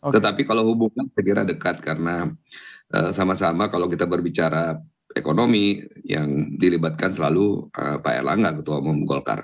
tetapi kalau hubungan saya kira dekat karena sama sama kalau kita berbicara ekonomi yang dilibatkan selalu pak erlangga ketua umum golkar